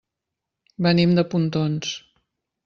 Venim de Pontons.